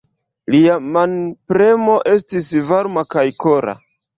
Lia manpremo estis varma kaj kora.